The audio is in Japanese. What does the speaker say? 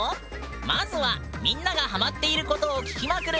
まずはみんながハマっていることを聞きまくる